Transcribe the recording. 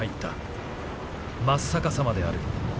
真っ逆さまである。